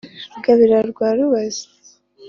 rugabira rwa rubazi,